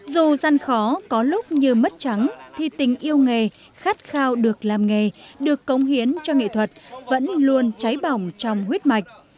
dù gian khó có lúc như mất trắng thì tình yêu nghề khát khao được làm nghề được công hiến cho nghệ thuật vẫn luôn cháy bỏng trong huyết mạch